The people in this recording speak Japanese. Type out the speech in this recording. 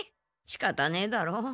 しかたねえだろ。